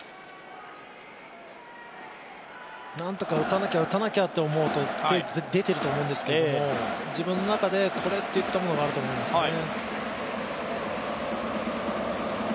何とか打たなきゃ打たなきゃと思うと、手が出ていると思うんですけど自分の中で、これっといったものがあると思いますね。